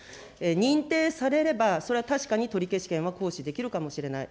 認定されれば、それは確かに取消権は行使できるかもしれない。